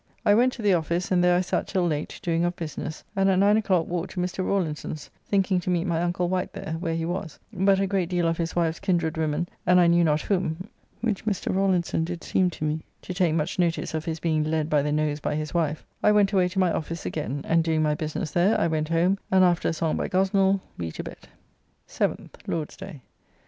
I went to the office, and there I sat till late, doing of business, and at 9 o'clock walked to Mr. Rawlinson's, thinking to meet my uncle Wight there, where he was, but a great deal of his wife's kindred women and I knew not whom (which Mr. Rawlinson did seem to me to take much notice of his being led by the nose by his wife), I went away to my office again, and doing my business there, I went home, and after a song by Gosnell we to bed. 7th (Lord's day).